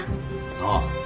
ああ。